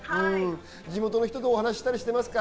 地元の人とお話をしたりしていますか？